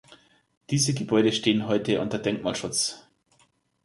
Diese Gebäude stehen heute unter Denkmalschutz.